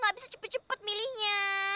gak bisa cepet cepet milihnya